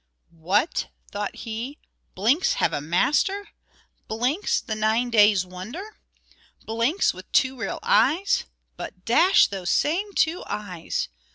"What!" thought he, "Blinks have a master! Blinks, the nine days' wonder! Blinks, with two real eyes! But, dash those same two eyes!